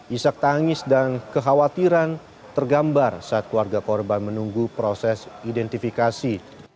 isak tangis dan kekhawatiran tergambar saat keluarga korban menunggu proses identifikasi